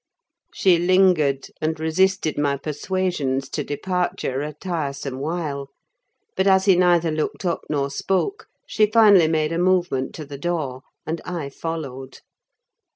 She lingered, and resisted my persuasions to departure a tiresome while; but as he neither looked up nor spoke, she finally made a movement to the door, and I followed.